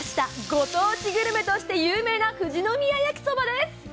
ご当地やきそばとして有名な富士宮やきそばです。